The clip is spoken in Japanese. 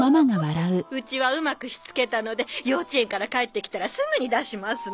うちはうまくしつけたので幼稚園から帰ってきたらすぐに出しますの。